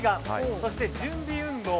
そして、準備運動。